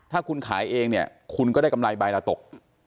ถ้าคุณขายเองเนี่ยคุณก็ได้กำไรใบละตก